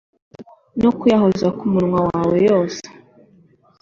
no kuyahoza ku munwa wawe yose